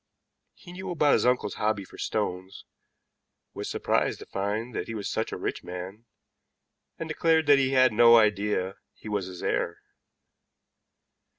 He knew about his uncle's hobby for stones, was surprised to find that he was such a rich man, and declared that he had no idea he was his heir.